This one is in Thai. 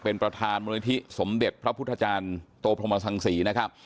เป็นประธานมูลนิธิสมเด็จพระพุทธจารย์โตพรหมสังศรีนะครับ